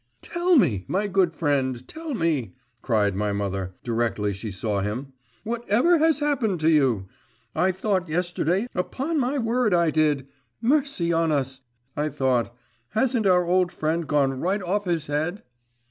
'Tell me, my good friend, tell me,' cried my mother, directly she saw him, 'what ever has happened to you? I thought yesterday, upon my word I did.… "Mercy on us!" I thought, "Hasn't our old friend gone right off his head?"